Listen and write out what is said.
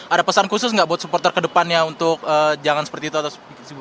ada pesan khusus nggak buat supporter kedepannya untuk jangan seperti itu atau seperti itu